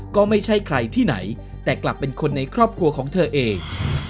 ก็ไม่ใช่ใครที่ไหนแต่กลับเป็นคนในครอบครัวของเธอเอง